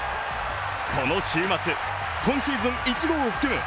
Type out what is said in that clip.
この週末、今シーズン１号を含む